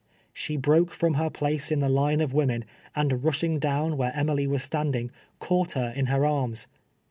She broke from her place in the line of M'omen, and rushing down where Emily was standing, caught her in her arms.